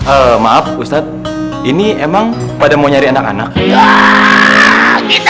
eh maaf ustadz ini emang pada mau nyari anak anak kita sekarang hari ini kita